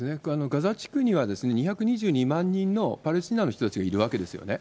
ガザ地区には２２２万人のパレスチナの人たちがいるわけですよね。